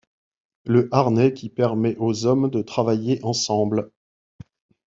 Le harnais qui permet aux hommes de travailler ensemble.